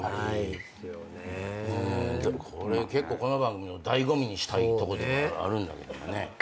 これこの番組の醍醐味にしたいとこではあるんだけどもね。